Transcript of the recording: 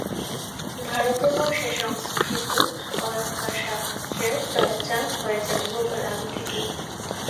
ভারতবর্ষে সংস্কৃত অলঙ্কারশাস্ত্রের চর্চা হয়েছে বহুকাল আগে থেকেই।